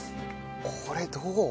これどう？